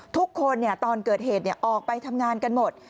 ทุกคนตอนเกิดเหตุออกไปทำงานกันหมด